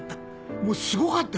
もうすごかったよ。